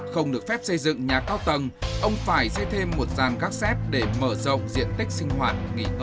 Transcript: không được phép xây dựng nhà cao tầng ông phải xây thêm một dàn gác xét để mở rộng diện tích sinh hoạt nghỉ